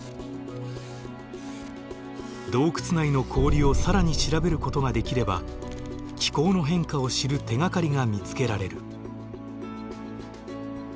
洞窟内の氷を更に調べることができれば気候の変化を知る手がかりが見つけられる。